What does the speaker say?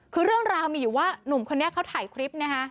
คือเรื่องราวมีอยู่ว่าหนุ่มคนนี้เขาถ่ายคลิปนะคะ